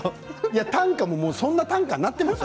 短歌もそんな短歌になってますよ。